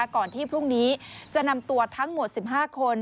ก่อนที่พรุ่งนี้จะนำตัวทั้งหมด๑๕คน